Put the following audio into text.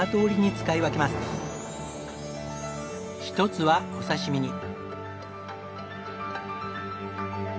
１つはお刺身に。